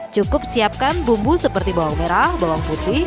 cukup siapkan bumbu seperti bawang merah bawang putih